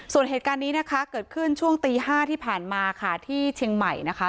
ส่วนเหตุการณ์นี้นะคะเกิดขึ้นช่วงตี๕ที่ผ่านมาค่ะที่เชียงใหม่นะคะ